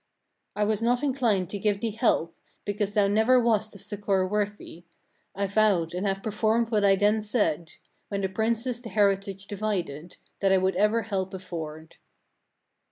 11. "I was not inclined to give thee help, because thou never wast of succour worthy: I vowed, and have performed what I then said when the princes the heritage divided, that I would ever help afford."